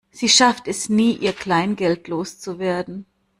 Sie schafft es nie, ihr Kleingeld loszuwerden.